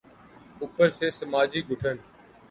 اوپر سے سماجی گھٹن۔